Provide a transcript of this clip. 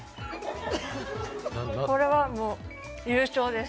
これはもう、優勝です。